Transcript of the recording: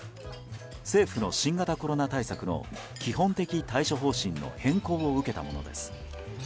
政府の新型コロナ対策の基本的対処方針の変更を受けたものです。